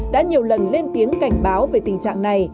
đã nhiều lần lên tiếng cảnh báo về tình trạng này